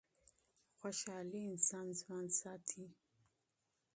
خوشحالي انسان ځوان ساتي.